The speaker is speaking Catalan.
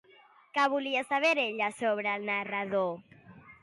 Què volia saber ella sobre el narrador?